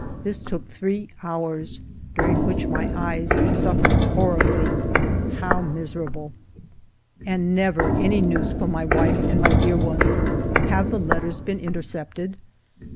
This took three hours, during which my eyes suffered horribly. How miserable ! And never any news from my wife and my dear ones. Have the letters been intercepted